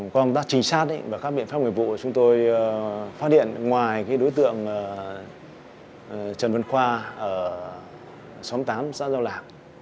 qua công tác trinh sát và các biện pháp nghiệp vụ chúng tôi phát hiện ngoài đối tượng trần văn khoa ở xóm tám xã giao lạc